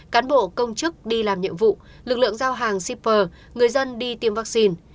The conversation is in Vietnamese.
cán bộ công chức đi làm nhiệm vụ lực lượng giao hàng shipper người dân đi tiêm vaccine